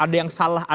ada masalah di dewan